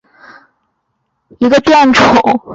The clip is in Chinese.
光果毛翠雀花为毛茛科翠雀属下的一个变种。